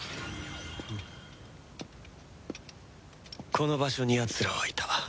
この場所にやつらはいた